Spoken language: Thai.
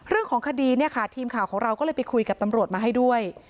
เรื่องของคดีเนี่ยค่ะทีมข่าวของเราก็เลยไปคุยกับตำรวจมาให้ด้วย